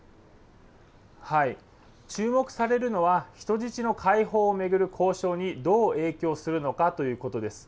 注目されるのは、人質の解放を巡る交渉にどう影響するのかということです。